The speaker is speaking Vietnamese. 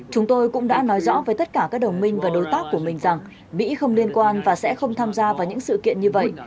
chúng tôi cũng đã nói rõ với tất cả các đồng minh và đối tác của mình rằng mỹ không liên quan và sẽ không tham gia vào những sự kiện như vậy